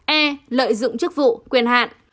e lợi dụng chức vụ quyền hạn